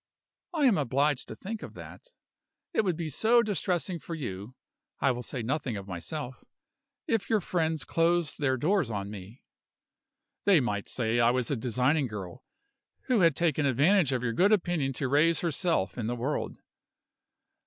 I am obliged to think of that. It would be so distressing for you (I will say nothing of myself) if your friends closed their doors on me. They might say I was a designing girl, who had taken advantage of your good opinion to raise herself in the world.